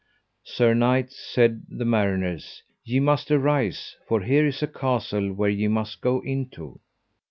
Sir knight, said the mariners, ye must arise, for here is a castle there ye must go into.